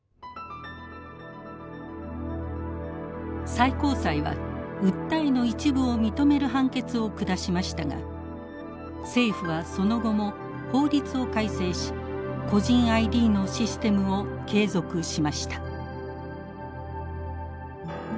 最高裁は訴えの一部を認める判決を下しましたが政府はその後も法律を改正し個人ＩＤのシステムを継続しました。